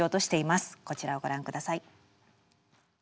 こちらをご覧ください。